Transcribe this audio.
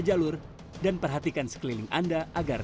jalur dan perhatikan sekeliling anda agar